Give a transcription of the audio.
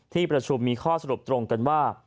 ที่ประชุมมีข้อสรุปตรงกันว่า